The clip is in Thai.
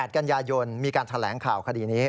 ๘กันยายนมีการแถลงข่าวคดีนี้